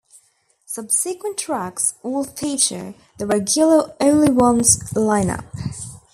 Subsequent tracks all feature the regular Only Ones line-up.